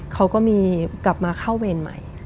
เขาก็มีกลับมาเข้าเวรใหม่